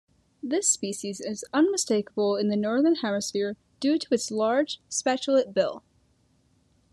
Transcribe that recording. This species is unmistakable in the northern hemisphere due to its large spatulate bill.